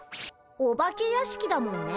お化け屋敷だもんね。